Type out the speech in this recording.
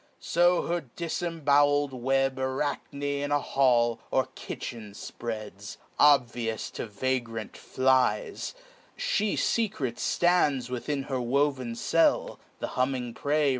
So her difcmbowel'd web Arachne in a hall, or kitchen fpreads, Obvious to vagrant flies ; fhe fecret flands Within her woven cell; the humming prey, P.